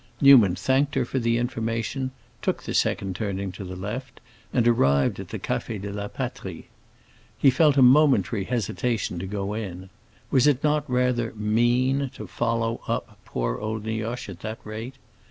Newman thanked her for the information, took the second turning to the left, and arrived at the Café de la Patrie. He felt a momentary hesitation to go in; was it not rather mean to "follow up" poor old Nioche at that rate?